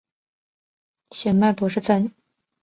显脉柏氏参